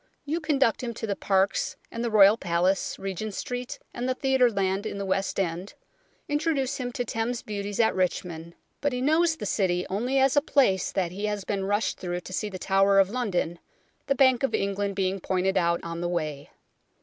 You conduct him to the Parks and the Royal Palace, Regent Street and theatre land in the West End, introduce him to Thames beauties at Richmond ; but he knows PREFACE vii the City only as a place that he has been rushed through to see The Tower of London, the Bank of England being pointed out on the way.